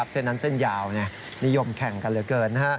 เส้นนั้นเส้นยาวนิยมแข่งกันเหลือเกิน